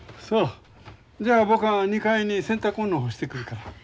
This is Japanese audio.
そうじゃあ僕は２階に洗濯物を干してくるから。